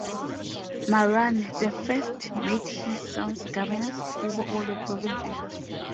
Marwan the First made his sons governors over all the provinces.